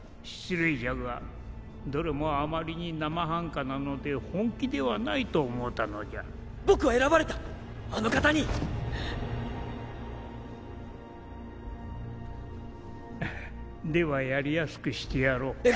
失礼じゃがどれもあまりに生半可なので本気ではないと思うたのじゃ僕は選ばれたあの方にではやりやすくしてやろう